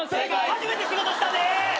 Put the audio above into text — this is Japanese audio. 初めて仕事したね！